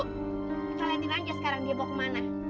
kita liatin aja sekarang dia bawa kemana